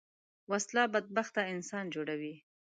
وسله بدبخته انسان جوړوي